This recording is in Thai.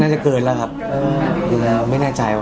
น่าจะเกินแล้วครับไม่น่าใจแหวะใช่เหรอ